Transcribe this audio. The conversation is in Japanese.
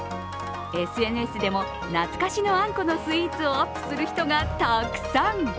ＳＮＳでも懐かしのあんこのスイーツをアップする人がたくさん。